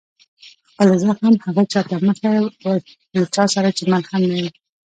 خپل زخم هغه چا ته مه ورښيه، له چا سره چي ملهم نه يي.